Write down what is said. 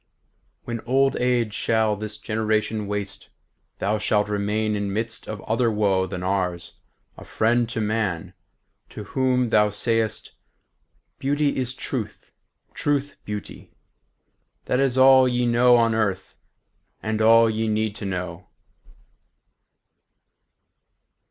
··· When old age shall this generation waste, Thou shalt remain, in midst of other woe Than ours, a friend to man, to whom thou say'st, 'Beauty is truth, truth beauty'—that is all Ye know on earth, and all ye need to know."